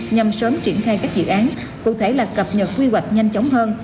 nhằm sớm triển khai các dự án cụ thể là cập nhật quy hoạch nhanh chóng hơn